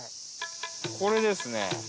これですね。